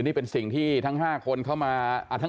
นี่เป็นสิ่งที่ทั้ง๕คนเข้ามา